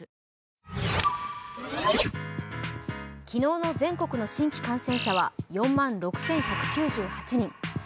昨日の全国の新規感染者は４万６１９８人。